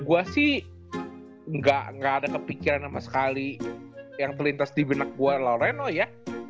gue sih gak ada kepikiran sama sekali yang terlintas di benak gue laureno ya